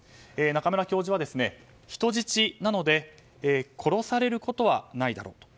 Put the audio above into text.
中村教授は、人質なので殺されることはないだろうと。